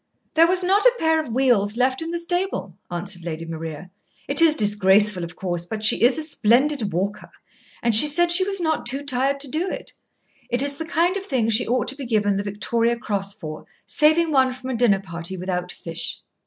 "There was not a pair of wheels left in the stable," answered Lady Maria. "It is disgraceful, of course, but she is a splendid walker, and she said she was not too tired to do it. It is the kind of thing she ought to be given the Victoria Cross for saving one from a dinner party without fish."